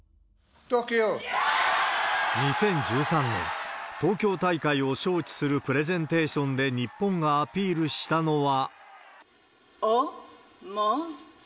２０１３年、東京大会を招致するプレゼンテーションで、日本がアピールしたのは。